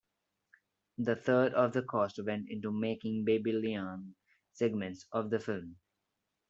A third of the cost went into making the Babylonian segments of the film.